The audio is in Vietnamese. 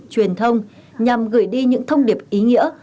truyền thông nhằm gửi đi những thông điệp ý nghĩa